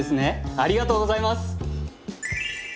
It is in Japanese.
ありがとうございます！